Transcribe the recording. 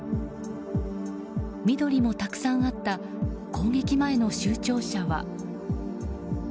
緑もたくさんあった攻撃前の州庁舎は。